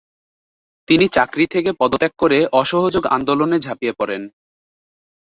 তিনি চাকরি থেকে পদত্যাগ করে অসহযোগ আন্দোলনে ঝাঁপিয়ে পড়েন।